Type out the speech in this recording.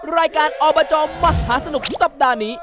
รายการอบจมหาสนุกสัปดาห์นี้